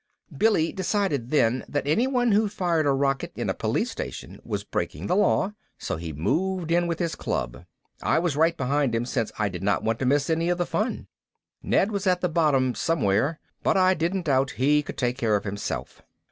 Billy decided then that anyone who fired a rocket in a police station was breaking the law, so he moved in with his club. I was right behind him since I did not want to miss any of the fun. Ned was at the bottom somewhere, but I didn't doubt he could take care of himself.